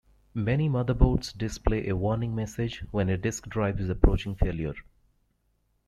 Many motherboards display a warning message when a disk drive is approaching failure.